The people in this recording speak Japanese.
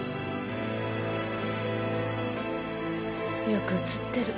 よく写ってる。